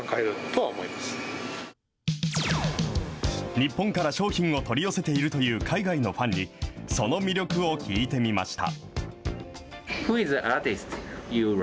日本から商品を取り寄せているという海外のファンに、その魅力を聞いてみました。